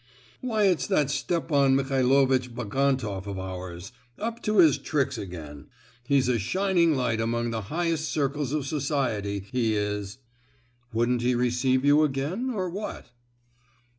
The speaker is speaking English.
"Why it's that Stepan Michailovitch Bagantoff of ours—up to his tricks again; he's a shining light among the highest circles of society—he is!" "Wouldn't he receive you again—or what?"